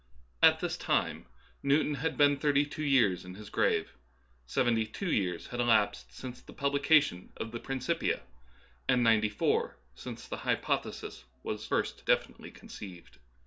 At this time Newton had been thirty two years in his grave ; seventy two years had elapsed since the publi cation of the " Principia," and ninety four since the hypothesis was first definitely conceived.